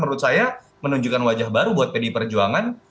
menurut saya menunjukkan wajah baru buat pdi perjuangan